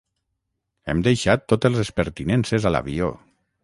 Hem deixat totes les pertinences a l’avió.